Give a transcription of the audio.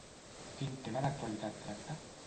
Quin tema d'actualitat tracta?